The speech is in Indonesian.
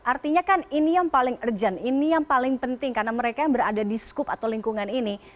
artinya kan ini yang paling urgent ini yang paling penting karena mereka yang berada di skup atau lingkungan ini